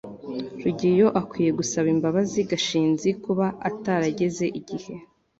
rugeyo akwiye gusaba imbabazi gashinzi kuba atarageze igihe